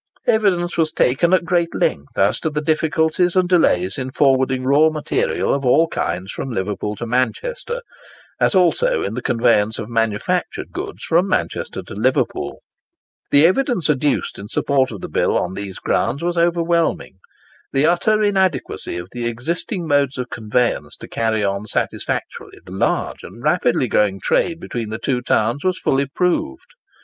Evidence was taken at great length as to the difficulties and delays in forwarding raw material of all kinds from Liverpool to Manchester, as also in the conveyance of manufactured goods from Manchester to Liverpool. The evidence adduced in support of the bill on these grounds was overwhelming. The utter inadequacy of the existing modes of conveyance to carry on satisfactorily the large and rapidly growing trade between the two towns was fully proved.